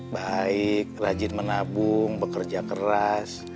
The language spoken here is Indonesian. baik rajin menabung bekerja keras